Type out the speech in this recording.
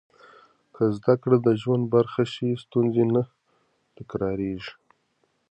که زده کړه د ژوند برخه شي، ستونزې نه تکرارېږي.